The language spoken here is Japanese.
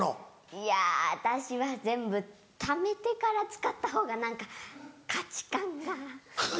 いや私は全部ためてから使ったほうが何か価値観が。